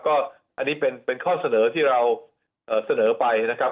ก็อันนี้เป็นข้อเสนอที่เราเสนอไปนะครับ